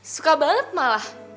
suka banget malah